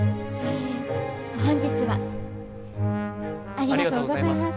ありがとうございます。